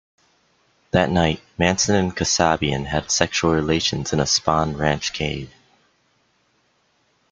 That night, Manson and Kasabian had sexual relations in a Spahn Ranch cave.